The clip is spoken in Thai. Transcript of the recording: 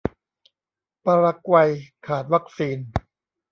ปารากวัยขาดวัคซีน